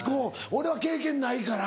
俺は経験ないから。